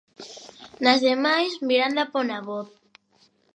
Nas demais, Miranda pon a voz.